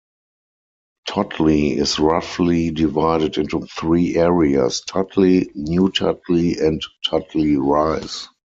Totley is roughly divided into three areas: Totley, New Totley and Totley Rise.